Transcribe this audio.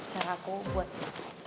cara aku buat deket sama reva